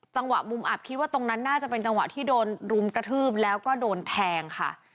จังหวะมุมอับคิดว่าตรงนั้นน่าจะเป็นจังหวะที่โดนรุมกระทืบแล้วก็โดนแทงค่ะ